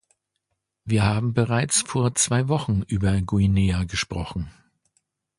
Wir haben bereits vor zwei Wochen über Guinea gesprochen.